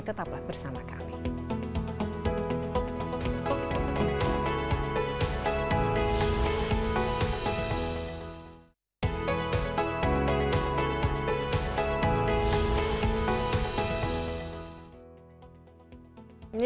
tetaplah bersama kami